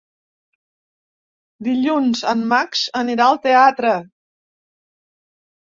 Dilluns en Max anirà al teatre.